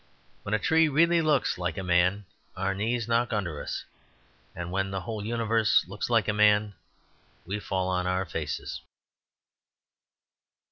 When a tree really looks like a man our knees knock under us. And when the whole universe looks like a man we fall on our faces.